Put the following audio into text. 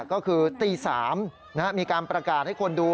ก็คือตี๓มีการประกาศให้คนดู